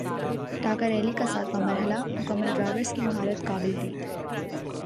Dakar Rally کا ساتواں مرحلہ مکمل ڈرائیورز کی مہارت قابل دید